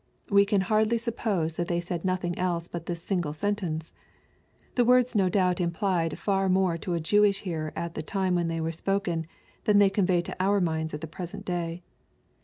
We can hardly suppose that they said nothlDg else but this single sentence. The words no doubt implied far more to a Jewish hearer at the time when they were spoken, than they convey to our minds at the present day.